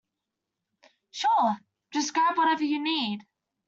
Sure, just grab whatever you need.